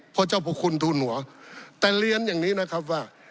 พระเจ้าพระคุณทูหนัวแต่เรียนอย่างนี้นะครับว่า